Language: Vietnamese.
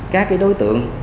các cái đối tượng